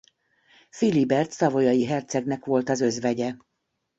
Filibert savoyai hercegnek volt az özvegye.